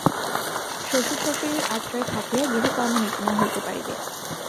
শ্বশুর-শাশুড়ীর আশ্রয়ে থাকিয়া গৃহকর্ম-নিপুণা হইতে পারিবে।